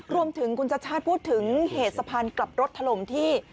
รวมถึงคุณชัชชาติพูดถึงเหตุสะพานกลับรถถล่มที่